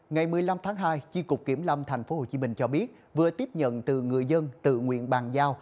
ngày một mươi năm tháng hai chi cục kiểm lâm tp hcm cho biết vừa tiếp nhận từ người dân tự nguyện bàn giao